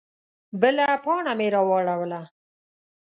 _بله پاڼه مې راواړوله.